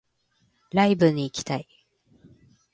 ライブ行きたい